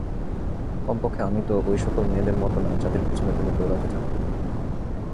কমপক্ষে আমি তো ওই সকল মেয়েদের মতো না যাদের পিছনে তুমি দৌড়াতে থাকো।